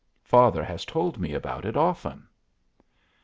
Father has told me about it often."